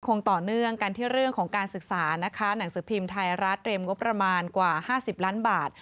คงต่อเนื่องกันที่เรื่องของการศึกษานะคะหนังสือพิมพ์ไทยรัฐเตรียมงบประมาณกว่า๕๐ล้านบาท